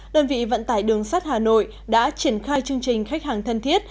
đơn vị vận tải đường sắt hà nội đã triển khai chương trình khách hàng thân thiết